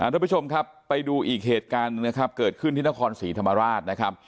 ทุกผู้ชมครับไปดูอีกเหตุการณ์หนึ่งนะครับเกิดขึ้นที่นครศรีธรรมราชนะครับ